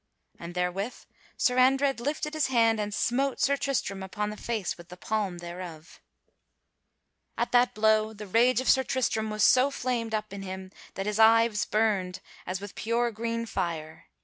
And therewith Sir Andred lifted his hand and smote Sir Tristram upon the face with the palm thereof. [Sidenote: Sir Tristram slays Sir Andred] At that blow the rage of Sir Tristram so flamed up in him that his eyes burned as with pure green fire.